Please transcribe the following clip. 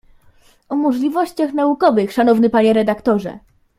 "„O możliwościach naukowych“ Szanowny Panie Redaktorze!"